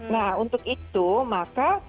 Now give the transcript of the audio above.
nah untuk itu maka